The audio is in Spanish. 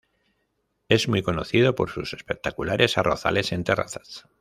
Es muy conocido por sus espectaculares arrozales en terrazas.